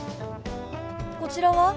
こちらは？